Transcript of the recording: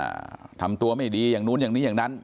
อ่าทำตัวไม่ดีอย่างนู้นอย่างนี้อย่างนั้น